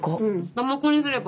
だまこにすれば？